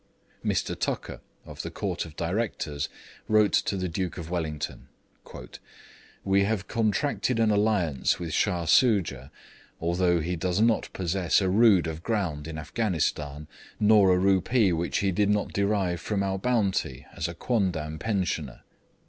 Mr. Tucker, of the Court of Directors, wrote to the Duke of Wellington: 'We have contracted an alliance with Shah Soojah, although he does not possess a rood of ground in Afghanistan, nor a rupee which he did not derive from our bounty as a quondam pensioner.'